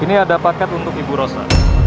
ini ada paket untuk ibu rosa